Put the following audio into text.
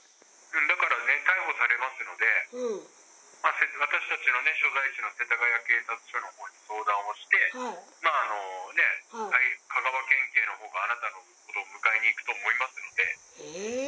だからね、逮捕されますので、私たちの所在地の世田谷警察署のほうに相談をして、香川県警のほうがあなたのことを迎えに行くと思いますので。